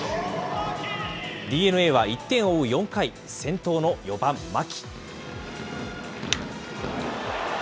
ＤｅＮＡは１点を追う４回、先頭の４番牧。